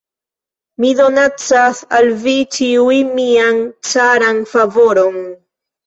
Mi donacas al vi ĉiuj mian caran favoron.